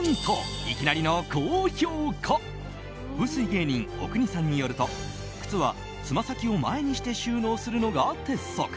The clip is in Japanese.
芸人、阿国さんによると靴はつま先を前にして収納するのが鉄則。